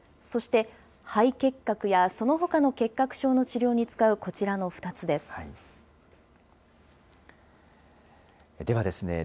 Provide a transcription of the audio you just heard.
そして、肺結核やそのほかの結核症の治療に使うこちらの２つです。